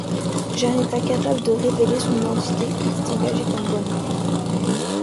Jeanne est incapable de révéler son identité et est engagée comme bonne.